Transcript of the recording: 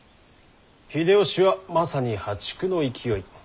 秀吉はまさに破竹の勢い。